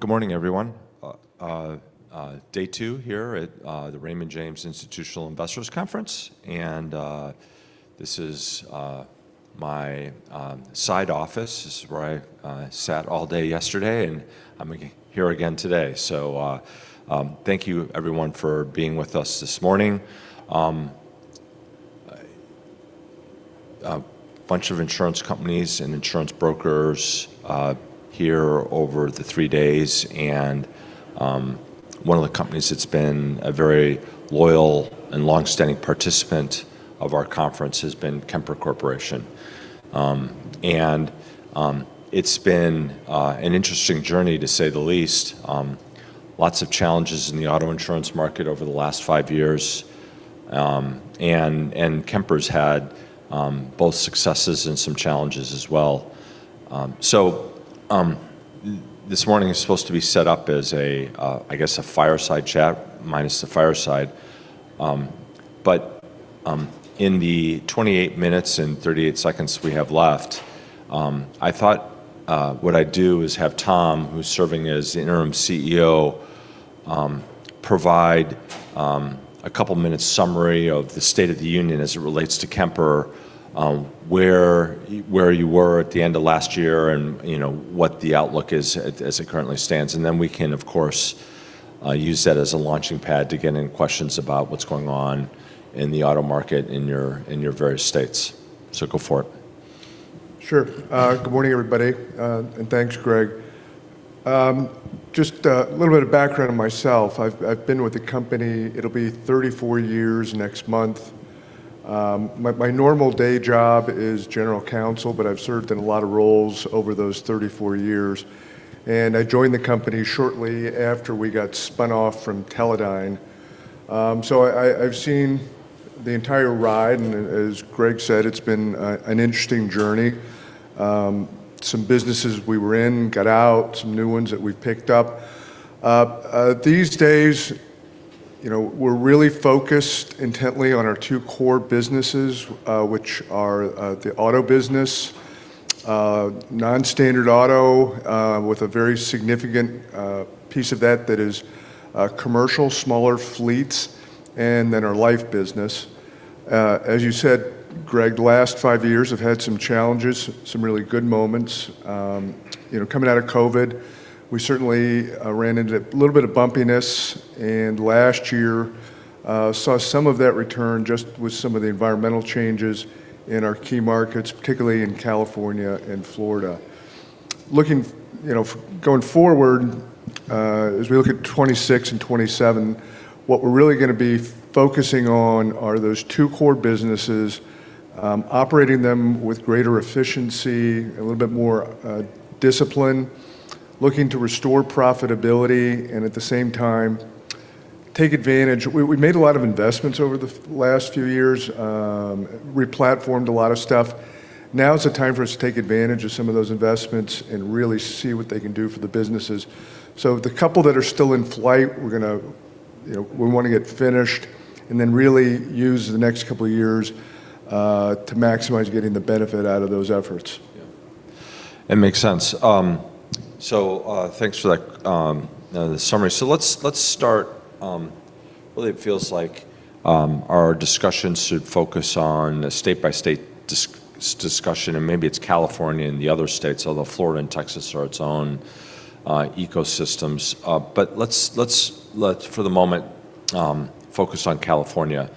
Good morning, everyone. Day two here at the Raymond James Institutional Investors Conference. This is my side office. This is where I sat all day yesterday, and I'm here again today. Thank you everyone for being with us this morning. A bunch of insurance companies and insurance brokers here over the three days, one of the companies that's been a very loyal and longstanding participant of our conference has been Kemper Corporation. It's been an interesting journey to say the least. Lots of challenges in the auto insurance market over the last five years. Kemper's had both successes and some challenges as well. This morning is supposed to be set up as a fireside chat minus the fireside. In the 28 minutes and 38 seconds we have left, I thought what I'd do is have Tom, who's serving as the interim CEO, provide a couple minute summary of the state of the union as it relates to Kemper, where you were at the end of last year and, you know, what the outlook is as it currently stands. We can, of course, use that as a launching pad to get any questions about what's going on in the auto market in your various states. Sure. Good morning, everybody, and thanks, Greg. Just a little bit of background on myself. I've been with the company, it'll be 34 years next month. My normal day job is general counsel, but I've served in a lot of roles over those 34 years, and I joined the company shortly after we got spun off from Teledyne. I've seen the entire ride, and as Greg said, it's been an interesting journey. Some businesses we were in, got out, some new ones that we've picked up. These days, you know, we're really focused intently on our two core businesses, which are the auto business, non-standard auto, with a very significant piece of that that is commercial, smaller fleets, and then our life business. As you said, Greg, the last five years have had some challenges, some really good moments. You know, coming out of COVID, we certainly ran into a little bit of bumpiness, and last year saw some of that return just with some of the environmental changes in our key markets, particularly in California and Florida. Going forward, as we look at 2026 and 2027, what we're really gonna be focusing on are those two core businesses, operating them with greater efficiency, a little bit more discipline, looking to restore profitability and at the same time take advantage. We made a lot of investments over the last few years. We platformed a lot of stuff. Now is the time for us to take advantage of some of those investments and really see what they can do for the businesses. The couple that are still in flight, we're gonna, you know, we wanna get finished and then really use the next couple years to maximize getting the benefit out of those efforts. Yeah. It makes sense. Thanks for that, the summary. Let's, let's start. Really, it feels like, our discussion should focus on a state-by-state discussion, and maybe it's California and the other states, although Florida and Texas are its own, ecosystems. Let's, let's for the moment, focus on California.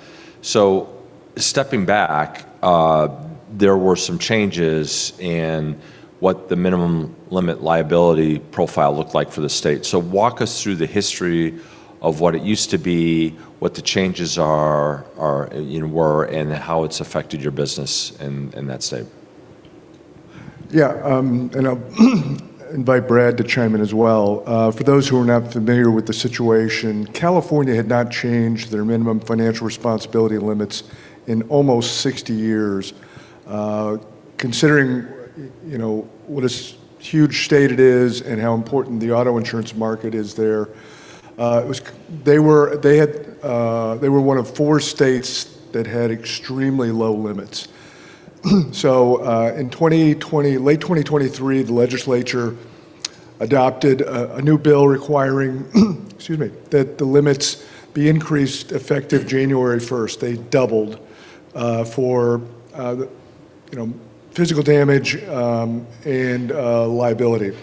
Stepping back, there were some changes in what the minimum limit liability profile looked like for the state. Walk us through the history of what it used to be, what the changes are, you know, were, and how it's affected your business in that state. Yeah. I'll invite Brad to chime in as well. For those who are not familiar with the situation, California had not changed their minimum financial responsibility limits in almost 60 years. Considering, you know, what a huge state it is and how important the auto insurance market is there, they were, they had, they were one of four states that had extremely low limits. In 2020, late 2023, the legislature adopted a new bill requiring, excuse me, that the limits be increased effective January 1st. They doubled, for, the, you know, physical damage, and, liability.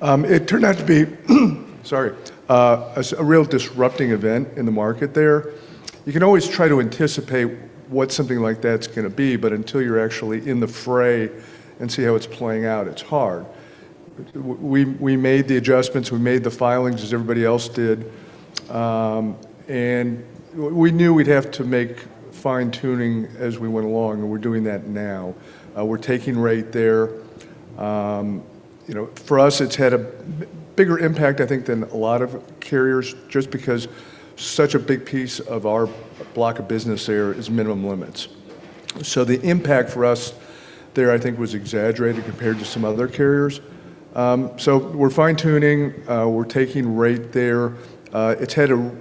It turned out to be, sorry, a real disrupting event in the market there. You can always try to anticipate what something like that's gonna be, but until you're actually in the fray and see how it's playing out, it's hard. We made the adjustments, we made the filings as everybody else did, and we knew we'd have to make fine-tuning as we went along, and we're doing that now. Our taking rate there, you know, for us, it's had a bigger impact, I think, than a lot of carriers just because such a big piece of our block of business there is minimum limits. The impact for us there, I think, was exaggerated compared to some other carriers. We're fine-tuning, we're taking rate there. It's had a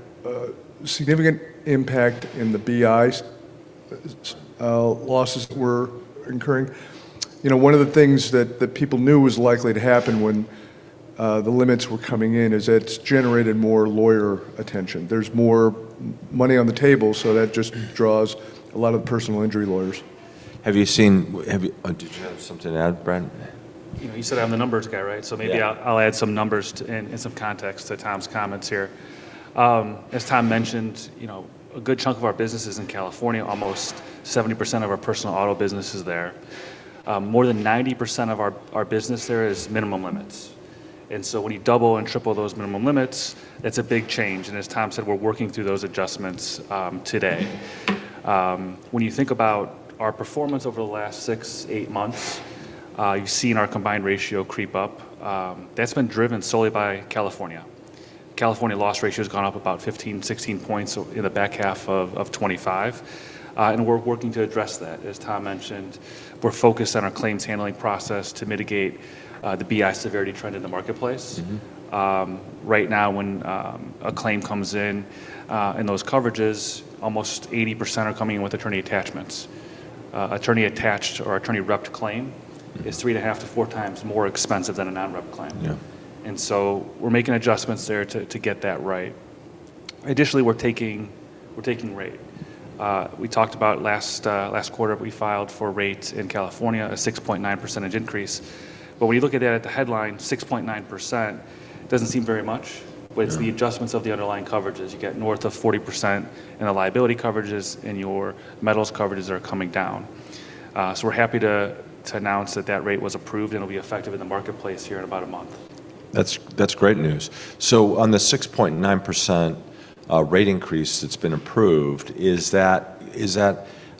significant impact in the BIs. Losses were incurring. You know, one of the things that people knew was likely to happen when the limits were coming in is it's generated more lawyer attention. There's more money on the table, so that just draws a lot of personal injury lawyers. Oh, did you have something to add, Brad? You know, you said I'm the numbers guy, right? Yeah. Maybe I'll add some numbers to some context to Tom's comments here. As Tom mentioned, you know, a good chunk of our business is in California. Almost 70% of our personal auto business is there. More than 90% of our business there is minimum limits. When you double and triple those minimum limits, it's a big change. As Tom said, we're working through those adjustments today. When you think about our performance over the last six, eight months, you've seen our combined ratio creep up. That's been driven solely by California. California loss ratio's gone up about 15-16 points in the back half of 2025. We're working to address that. As Tom mentioned, we're focused on our claims handling process to mitigate the BI severity trend in the marketplace. Mm-hmm. Right now when a claim comes in those coverages, almost 80% are coming in with attorney attachments. Attorney-attached or attorney-repped claim- Mm-hmm Is 3.5x-4x more expensive than a non-repped claim. Yeah. We're making adjustments there to get that right. Additionally, we're taking rate. We talked about last quarter, we filed for rate in California, a 6.9% increase. When you look at it at the headline, 6.9% doesn't seem very much. Yeah. It's the adjustments of the underlying coverages. You get north of 40% in the liability coverages, and your medical coverages are coming down. We're happy to announce that that rate was approved and it'll be effective in the marketplace here in about a month. That's great news. On the 6.9% rate increase that's been approved, I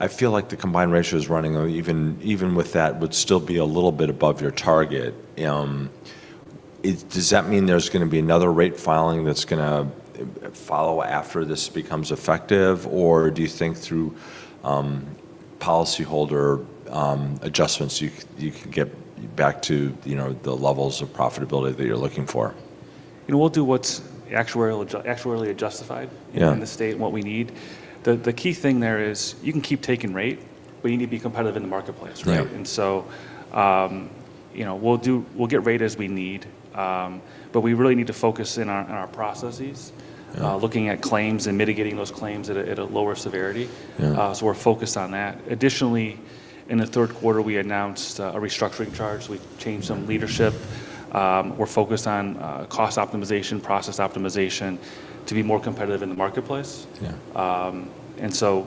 feel like the combined ratio is running, or even with that, would still be a little bit above your target. Does that mean there's gonna be another rate filing that's gonna follow after this becomes effective? Or do you think through policyholder adjustments, you can get back to, you know, the levels of profitability that you're looking for? You know, we'll do what's actuarially justified. Yeah In the state and what we need. The key thing there is you can keep taking rate, but you need to be competitive in the marketplace, right? Yeah. You know, we'll get rate as we need. We really need to focus in on our processes- Yeah Looking at claims and mitigating those claims at a lower severity. Yeah. We're focused on that. Additionally, in the third quarter, we announced a restructuring charge. We've changed some leadership. We're focused on cost optimization, process optimization to be more competitive in the marketplace. Yeah.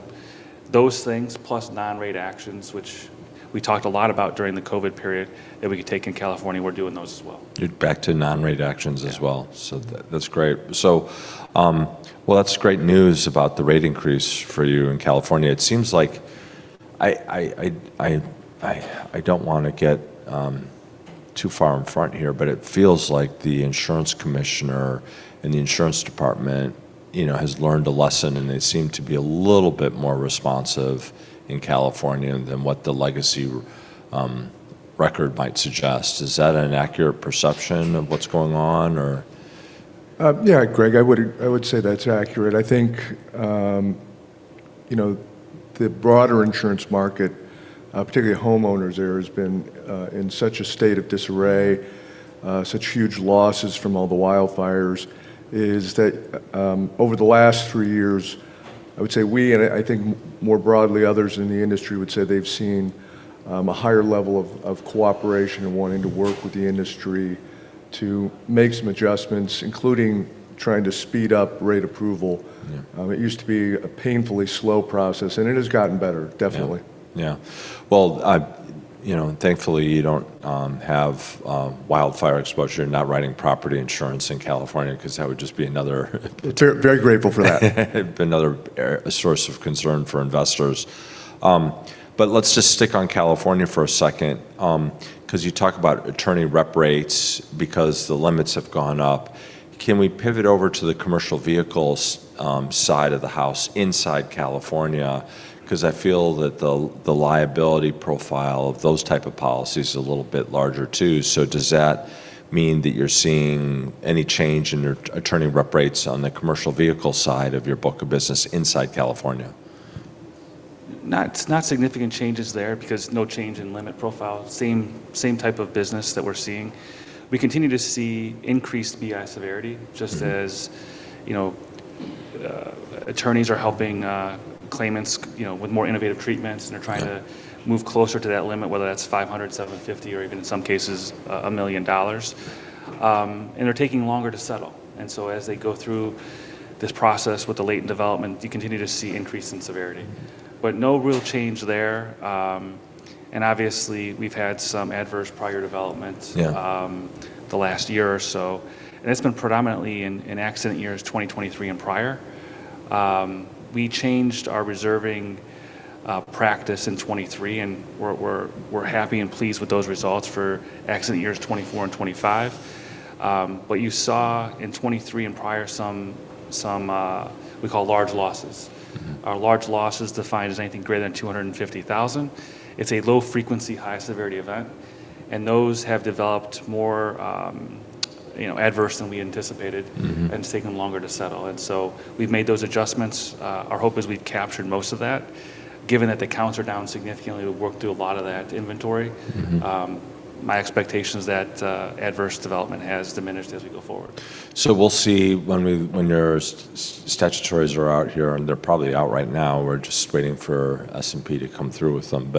Those things, plus non-rate actions, which we talked a lot about during the COVID period, that we could take in California, we're doing those as well. Back to non-rate actions as well. Yeah. That's great. Well, that's great news about the rate increase for you in California. It seems like I don't wanna get too far in front here, but it feels like the insurance commissioner and the insurance department, you know, has learned a lesson, and they seem to be a little bit more responsive in California than what the legacy record might suggest. Is that an accurate perception of what's going on or? Yeah, Greg, I would say that's accurate. I think, you know, the broader insurance market, particularly homeowners there, has been in such a state of disarray, such huge losses from all the wildfires. Is that, over the last three years, I would say we, and I think more broadly others in the industry would say they've seen a higher level of cooperation and wanting to work with the industry to make some adjustments, including trying to speed up rate approval. Yeah. It used to be a painfully slow process, and it has gotten better, definitely. Yeah. You know, thankfully, you don't have wildfire exposure. You're not writing property insurance in California 'cause that would just be. Very grateful for that. Be another source of concern for investors. Let's just stick on California for a second, 'cause you talk about attorney rep rates because the limits have gone up. Can we pivot over to the commercial vehicles side of the house inside California? 'Cause I feel that the liability profile of those type of policies is a little bit larger too. Does that mean that you're seeing any change in your attorney rep rates on the commercial vehicle side of your book of business inside California? Not significant changes there because no change in limit profile. Same type of business that we're seeing. We continue to see increased BI severity. Mm-hmm Just as, you know, attorneys are helping claimants you know, with more innovative treatments, and they're trying to move closer to that limit, whether that's 500, 750, or even in some cases, a, $1 million. They're taking longer to settle. As they go through this process with the latent development, you continue to see increase in severity. No real change there. Obviously we've had some adverse prior developments. Yeah The last year or so. It's been predominantly in accident years 2023 and prior. We changed our reserving practice in 2023, and we're happy and pleased with those results for accident years 2024 and 2025. What you saw in 2023 and prior, some we call large losses. Mm-hmm. Our large loss is defined as anything greater than $250,000. It's a low frequency, high severity event, and those have developed more, You know, adverse than we anticipated. Mm-hmm. It's taken longer to settle. So we've made those adjustments. Our hope is we've captured most of that. Given that the counts are down significantly, we've worked through a lot of that inventory. Mm-hmm. My expectation is that adverse development has diminished as we go forward. We'll see when your statutories are out here, and they're probably out right now, we're just waiting for S&P to come through with them.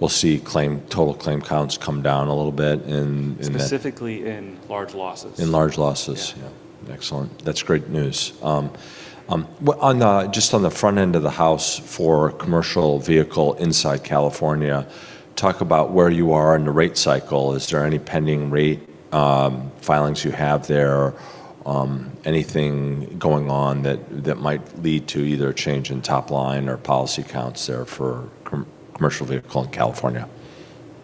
We'll see claim, total claim counts come down a little bit in the. Specifically in large losses. In large losses. Yeah. Yeah. Excellent. That's great news. Well, just on the front end of the house for commercial vehicle inside California, talk about where you are in the rate cycle. Is there any pending rate filings you have there? Anything going on that might lead to either a change in top line or policy counts there for commercial vehicle in California?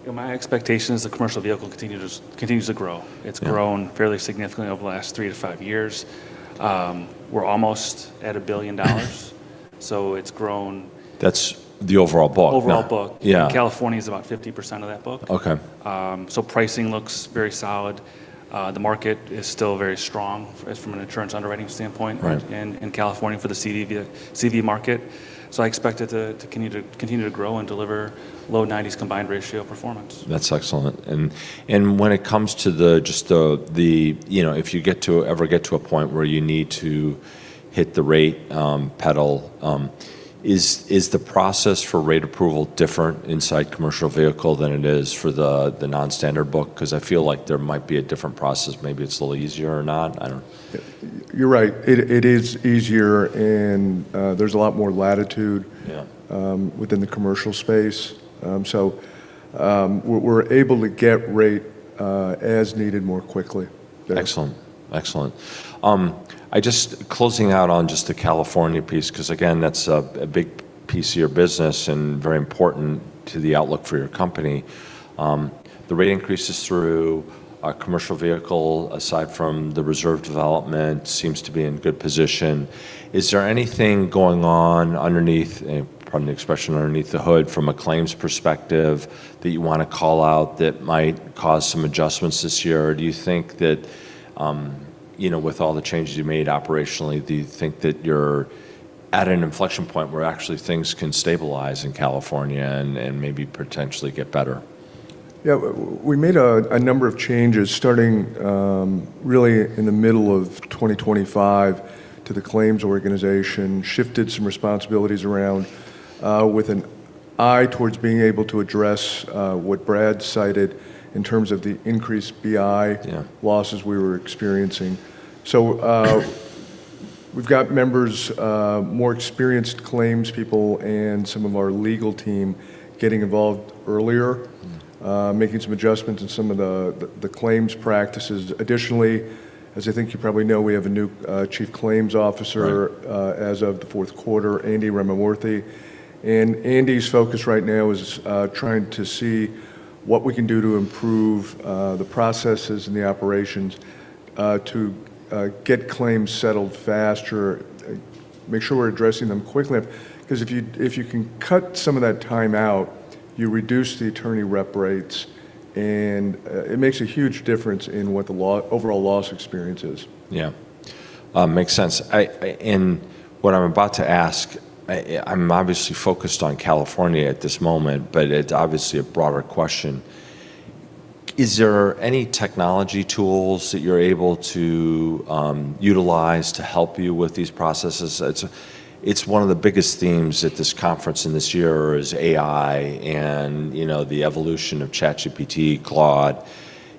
You know, my expectation is the commercial vehicle continues to grow. Yeah. It's grown fairly significantly over the last three to five years. We're almost at $1 billion. That's the overall book? Overall book. Yeah. California is about 50% of that book. Okay. Pricing looks very solid. The market is still very strong as from an insurance underwriting standpoint. Right In California for the CV market. I expect it to continue to grow and deliver low nineties combined ratio performance. That's excellent. You know, if you ever get to a point where you need to hit the rate pedal, is the process for rate approval different inside commercial vehicle than it is for the non-standard book? 'Cause I feel like there might be a different process. Maybe it's a little easier or not. I don't. You're right. It is easier, and there's a lot more latitude. Yeah Within the commercial space. We're able to get rate as needed more quickly. Yeah. Excellent. Excellent. Closing out on just the California piece, 'cause again, that's a big piece of your business and very important to the outlook for your company. The rate increases through our commercial vehicle, aside from the reserve development, seems to be in good position. Is there anything going on underneath, pardon the expression, underneath the hood from a claims perspective that you wanna call out that might cause some adjustments this year? Or do you think that, you know, with all the changes you made operationally, do you think that you're at an inflection point where actually things can stabilize in California and maybe potentially get better? We made a number of changes starting, really in the middle of 2025 to the claims organization, shifted some responsibilities around, with an eye towards being able to address, what Brad cited in terms of the increased BI. Yeah Losses we were experiencing. We've got members, more experienced claims people and some of our legal team getting involved earlier. Mm-hmm Making some adjustments in some of the claims practices. Additionally, as I think you probably know, we have a new, Chief Claims Officer. Right As of the fourth quarter, Andy Ramamoorthy. Andy's focus right now is trying to see what we can do to improve the processes and the operations to get claims settled faster, make sure we're addressing them quickly. Because if you can cut some of that time out, you reduce the attorney rep rates, and it makes a huge difference in what the overall loss experience is. Yeah. Makes sense. In what I'm about to ask, I'm obviously focused on California at this moment, but it's obviously a broader question. Is there any technology tools that you're able to utilize to help you with these processes? It's one of the biggest themes at this conference and this year is AI and, you know, the evolution of ChatGPT, Claude.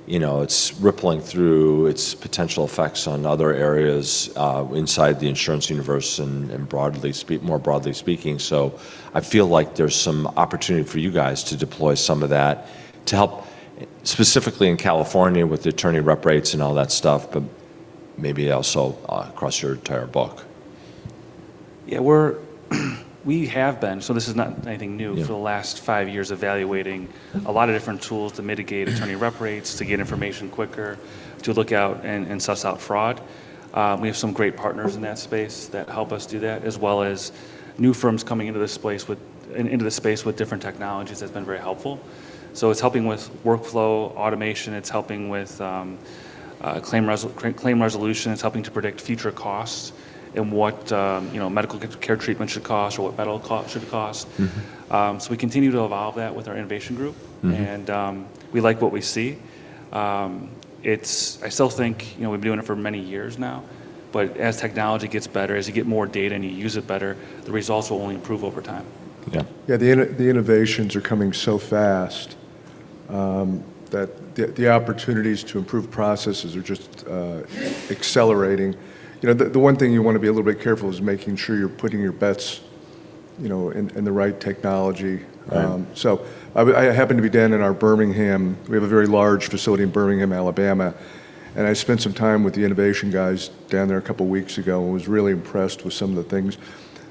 You know, it's rippling through its potential effects on other areas inside the insurance universe and more broadly speaking. I feel like there's some opportunity for you guys to deploy some of that to help specifically in California with the attorney rep rates and all that stuff, but maybe also across your entire book. Yeah. We have been, so this is not anything new- Yeah For the last five years, evaluating a lot of different tools to mitigate attorney rep rates, to get information quicker, to look out and suss out fraud. We have some great partners in that space that help us do that, as well as new firms coming into the space with different technologies has been very helpful. It's helping with workflow automation. It's helping with, claim resolution. It's helping to predict future costs and what, you know, medical care treatment should cost or what medical cost should cost. Mm-hmm. We continue to evolve that with our innovation group. Mm-hmm. We like what we see. I still think, you know, we've been doing it for many years now, but as technology gets better, as you get more data and you use it better, the results will only improve over time. Yeah. Yeah. The innovations are coming so fast that the opportunities to improve processes are just accelerating. You know, the one thing you wanna be a little bit careful is making sure you're putting your bets, you know, in the right technology. Right. I happen to be down in our Birmingham. We have a very large facility in Birmingham, Alabama, and I spent some time with the innovation guys down there a couple weeks ago and was really impressed with some of the things.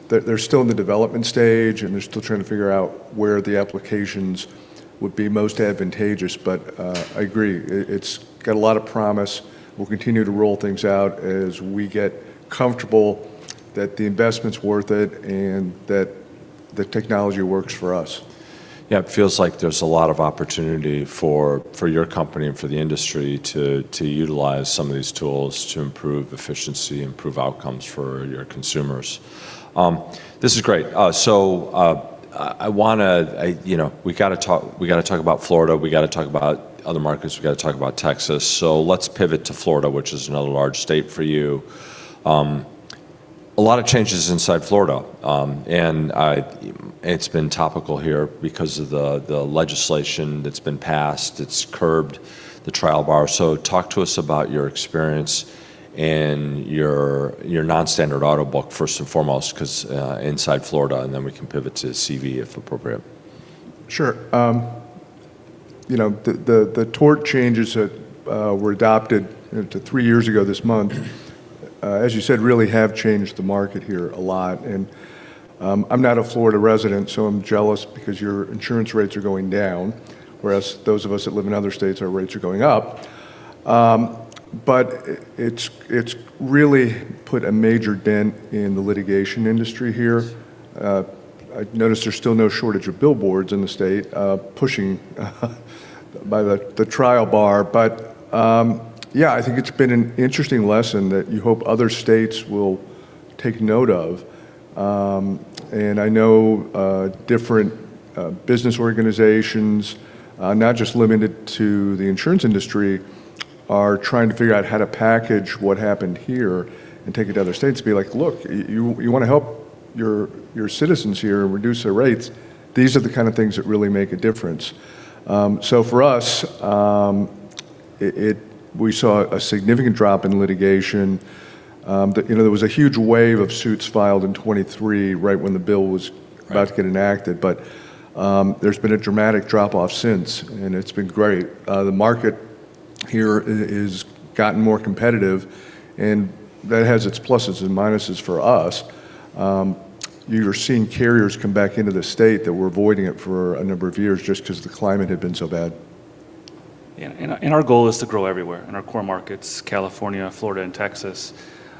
They're still in the development stage, and they're still trying to figure out where the applications would be most advantageous. I agree, it's got a lot of promise. We'll continue to roll things out as we get comfortable that the investment's worth it and that the technology works for us. Yeah, it feels like there's a lot of opportunity for your company and for the industry to utilize some of these tools to improve efficiency, improve outcomes for your consumers. This is great. You know, we gotta talk about Florida, we gotta talk about other markets, we gotta talk about Texas. Let's pivot to Florida, which is another large state for you. A lot of changes inside Florida, and it's been topical here because of the legislation that's been passed. It's curbed the trial bar. Talk to us about your experience and your non-standard auto book first and foremost, 'cause inside Florida, and then we can pivot to CV if appropriate. Sure. You know, the tort changes that were adopted three years ago this month, as you said, really have changed the market here a lot. I'm not a Florida resident, so I'm jealous because your insurance rates are going down, whereas those of us that live in other states, our rates are going up. It's really put a major dent in the litigation industry here. I notice there's still no shortage of billboards in the state, pushing by the trial bar. Yeah, I think it's been an interesting lesson that you hope other states will take note of. I know different business organizations, not just limited to the insurance industry, are trying to figure out how to package what happened here and take it to other states and be like, "Look, you wanna help your citizens here reduce their rates, these are the kind of things that really make a difference." For us, we saw a significant drop in litigation that there was a huge wave of suits filed in 2023, right when the bill was... Right About to get enacted. There's been a dramatic drop-off since, and it's been great. The market here is gotten more competitive, and that has its pluses and minuses for us. You're seeing carriers come back into the state that were avoiding it for a number of years just 'cause the climate had been so bad. Yeah. Our goal is to grow everywhere. In our core markets, California, Florida, and Texas,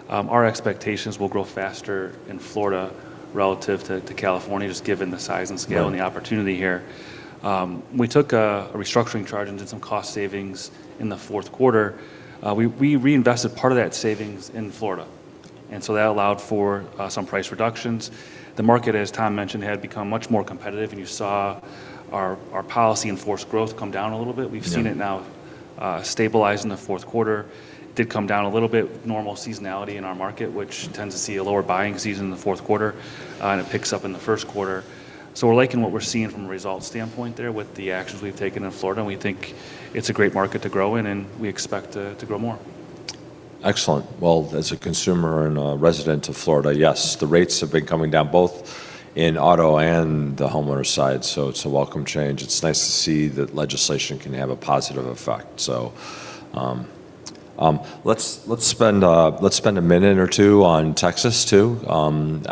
our expectations will grow faster in Florida relative to California, just given the size and scale- Right And the opportunity here. We took a restructuring charge and did some cost savings in the fourth quarter. We reinvested part of that savings in Florida. That allowed for some price reductions. The market, as Tom mentioned, had become much more competitive, and you saw our policy in force growth come down a little bit. Yeah. We've seen it now, stabilize in the fourth quarter. Did come down a little bit. Normal seasonality in our market, which tends to see a lower buying season in the fourth quarter, and it picks up in the first quarter. We're liking what we're seeing from a results standpoint there with the actions we've taken in Florida, and we think it's a great market to grow in, and we expect to grow more. Excellent. Well, as a consumer and a resident of Florida, yes, the rates have been coming down both in auto and the homeowner side, so it's a welcome change. It's nice to see that legislation can have a positive effect. Let's spend a minute or two on Texas too.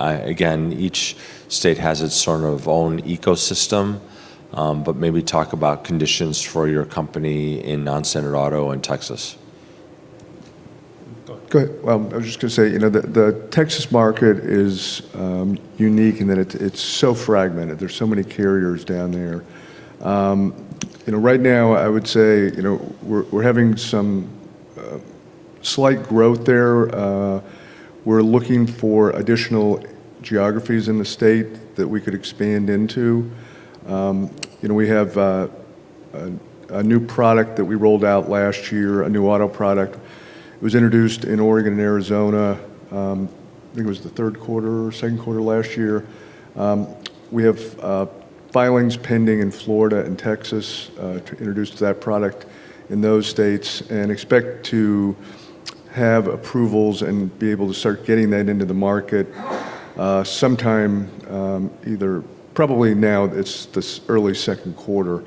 Again, each state has its sort of own ecosystem, but maybe talk about conditions for your company in non-standard auto in Texas. Go ahead. I was just gonna say, you know, the Texas market is unique in that it's so fragmented. There's so many carriers down there. You know, right now, I would say, you know, we're having some slight growth there. We're looking for additional geographies in the state that we could expand into. You know, we have a new product that we rolled out last year, a new auto product. It was introduced in Oregon and Arizona, I think it was the third quarter or second quarter of last year. We have filings pending in Florida and Texas to introduce that product in those states, and expect to have approvals and be able to start getting that into the market sometime either probably now, it's this early second quarter.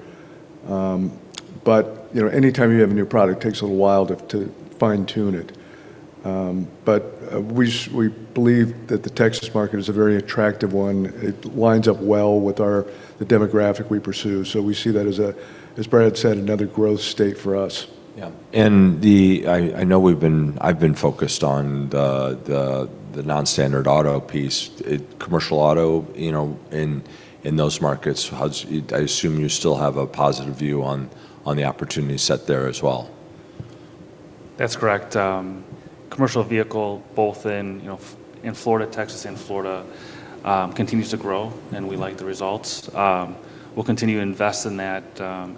You know, anytime you have a new product, it takes a little while to fine-tune it. We believe that the Texas market is a very attractive one. It lines up well with our, the demographic we pursue. We see that as a, as Brad said, another growth state for us. Yeah. I know I've been focused on the non-standard auto piece. Commercial auto, you know, in those markets, I assume you still have a positive view on the opportunity set there as well? That's correct. Commercial vehicle, both in, you know, in Florida, Texas and Florida, continues to grow, and we like the results. We'll continue to invest in that,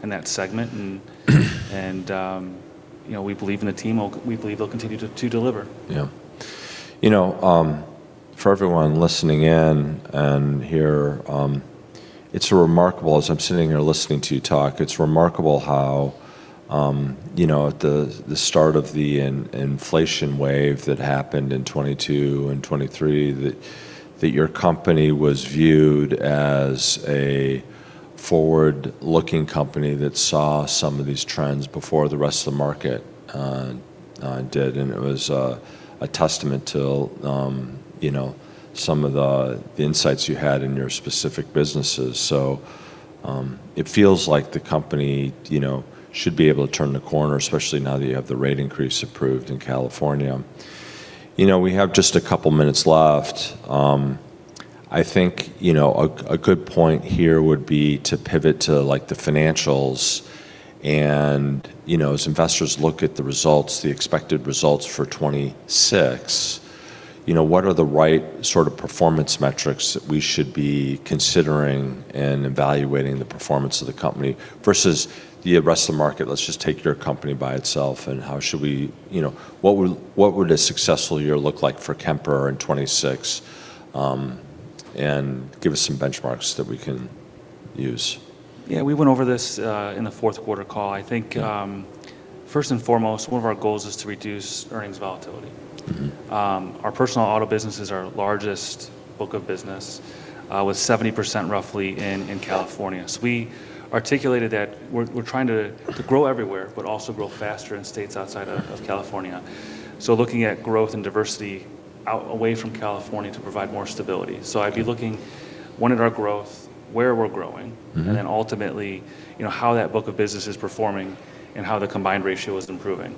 in that segment. You know, we believe in the team. We believe they'll continue to deliver. Yeah. You know, for everyone listening in and here, it's remarkable, as I'm sitting here listening to you talk, it's remarkable how, you know, at the start of the in-inflation wave that happened in 2022 and 2023, that your company was viewed as a forward-looking company that saw some of these trends before the rest of the market did. It was a testament to, you know, some of the insights you had in your specific businesses. It feels like the company, you know, should be able to turn the corner, especially now that you have the rate increase approved in California. You know, we have just a couple minutes left. I think, you know, a good point here would be to pivot to, like, the financials and, you know, as investors look at the results, the expected results for 2026, you know, what are the right sort of performance metrics that we should be considering in evaluating the performance of the company versus the rest of the market? Let's just take your company by itself and how should we. You know, what would a successful year look like for Kemper in 2026? Give us some benchmarks that we can use. Yeah, we went over this, in the fourth quarter call. Yeah First and foremost, one of our goals is to reduce earnings volatility. Mm-hmm. Our personal auto business is our largest book of business, with 70% roughly in California. We articulated that we're trying to grow everywhere, but also grow faster in states outside of California. Looking at growth and diversity out away from California to provide more stability. I'd be looking, one, at our growth, where we're growing. Mm-hmm Ultimately, you know, how that book of business is performing and how the combined ratio is improving.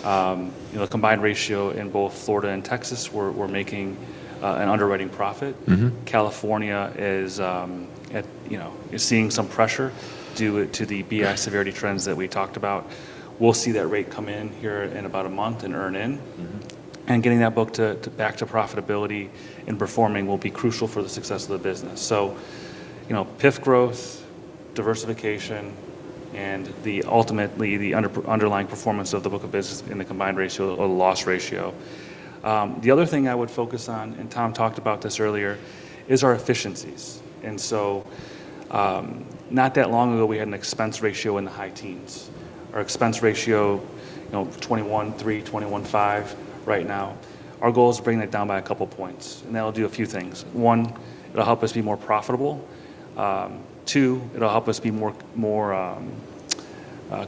You know, the combined ratio in both Florida and Texas, we're making an underwriting profit. Mm-hmm. California is, you know, seeing some pressure due it, to the BI severity trends that we talked about. We'll see that rate come in here in about a month in earn. Mm-hmm. Getting that book back to profitability and performing will be crucial for the success of the business. You know, PIF growth, diversification, and ultimately the underlying performance of the book of business in the combined ratio or loss ratio. The other thing I would focus on, Tom talked about this earlier, is our efficiencies. Not that long ago, we had an expense ratio in the high teens. Our expense ratio, you know, 21.3%, 21.5% right now. Our goal is to bring that down by two points, that'll do a few things. One, it'll help us be more profitable. Two, it'll help us be more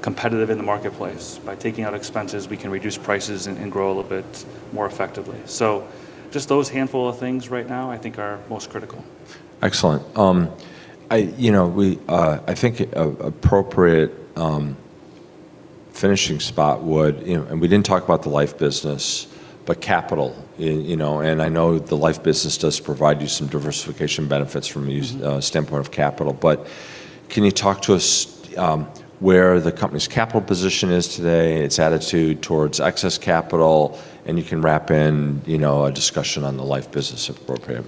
competitive in the marketplace. By taking out expenses, we can reduce prices and grow a little bit more effectively. Just those handful of things right now I think are most critical. Excellent. I, you know, we, I think a appropriate, finishing spot would, you know. We didn't talk about the life business, but capital. You know, and I know the life business does provide you some diversification benefits from a us- standpoint of capital. Can you talk to us, where the company's capital position is today, its attitude towards excess capital, and you can wrap in, you know, a discussion on the life business if appropriate.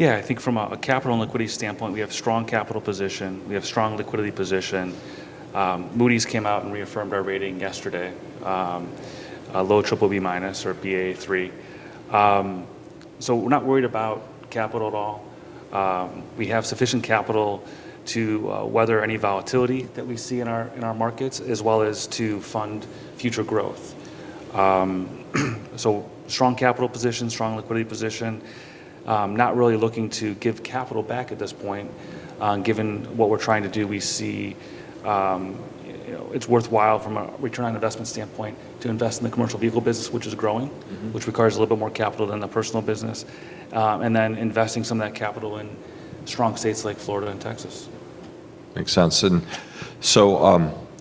I think from a capital and liquidity standpoint, we have strong capital position, we have strong liquidity position. Moody's came out and reaffirmed our rating yesterday, a low BBB- or Baa3. We're not worried about capital at all. We have sufficient capital to weather any volatility that we see in our markets, as well as to fund future growth. Strong capital position, strong liquidity position. Not really looking to give capital back at this point, given what we're trying to do. We see, you know, it's worthwhile from a return on investment standpoint to invest in the commercial vehicle business, which is growing. Mm-hmm Which requires a little bit more capital than the personal business. Investing some of that capital in strong states like Florida and Texas. Makes sense.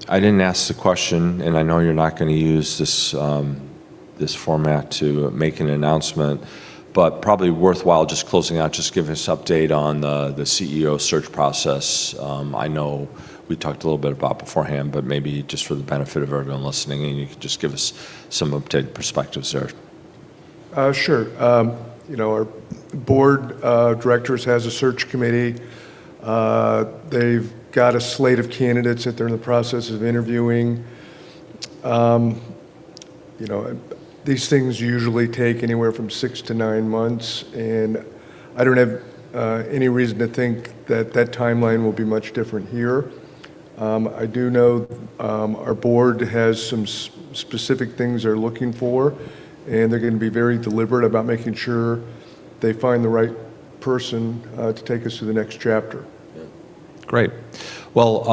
I didn't ask the question, and I know you're not gonna use this format to make an announcement, but probably worthwhile just closing out, just give us update on the CEO search process. I know we talked a little bit about beforehand, maybe just for the benefit of everyone listening in, you could just give us some updated perspective, sir. Sure. You know, our board of directors has a search committee. They've got a slate of candidates that they're in the process of interviewing. You know, these things usually take anywhere from six to nine months, and I don't have any reason to think that that timeline will be much different here. I do know our board has some specific things they're looking for, and they're gonna be very deliberate about making sure they find the right person to take us to the next chapter. Yeah. Great. Well,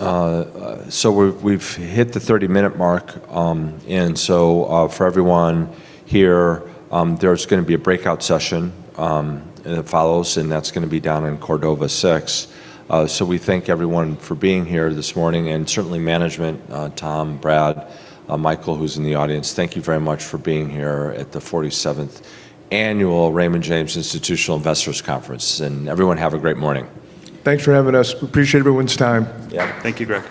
we've hit the 30-minute mark. For everyone here, there's gonna be a breakout session that follows, and that's gonna be down in Cordova 6. We thank everyone for being here this morning. Certainly management, Tom, Brad, Michael, who's in the audience, thank you very much for being here at the 47th annual Raymond James Institutional Investors Conference. Everyone, have a great morning. Thanks for having us. We appreciate everyone's time. Yeah. Thank you, Greg.